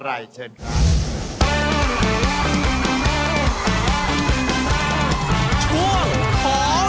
ใครรวบจะเจอชาติสุดท้าย